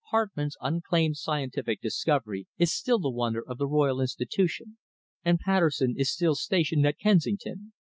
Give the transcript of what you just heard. Hartmann's unclaimed scientific discovery is still the wonder of the Royal Institution, and Patterson is still stationed at Kensington.